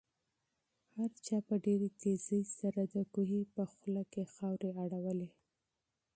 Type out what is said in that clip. هر چا په ډېرې تېزۍ سره د کوهي په خوله کې خاورې اړولې.